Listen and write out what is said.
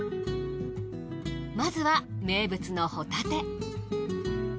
まずは名物のホタテ。